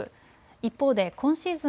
一方で今シーズン